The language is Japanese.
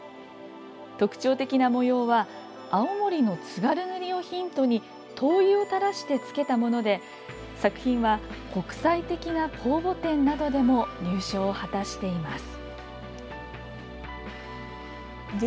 特徴的な模様は青森の津軽塗をヒントに灯油を垂らしてつけたもので作品は、国際的な公募展などでも入賞を果たしています。